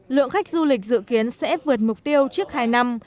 lượng khách du lịch dự kiến sẽ vượt mục tiêu trước hai năm